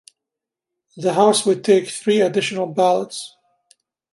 The House would take three additional ballots.